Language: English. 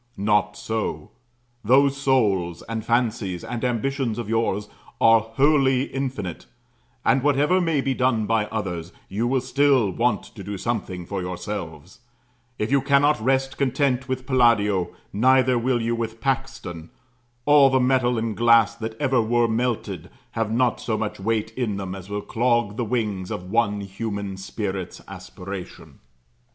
Not so. Those souls, and fancies, and ambitions of yours, are wholly infinite; and, whatever may be done by others, you will still want to do something for yourselves; if you cannot rest content with Palladio, neither will you with Paxton: all the metal and glass that ever were melted have not so much weight in them as will clog the wings of one human spirit's aspiration.